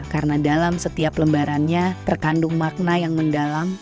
karena dalam setiap lembarannya terkandung makna yang mendalam